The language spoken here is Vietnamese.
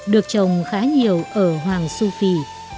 được trồng khá nhiều ở hoàng su phi